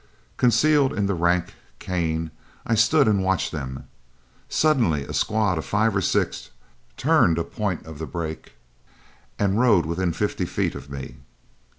Concealed in the rank cane I stood and watched them. Suddenly a squad of five or six turned a point of the brake and rode within fifty feet of me.